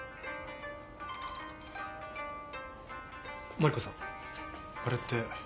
マリコさんあれって？